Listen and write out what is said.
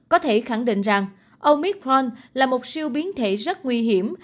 có thể khẳng định rằng omicron là một siêu biến thể rất nguy hiểm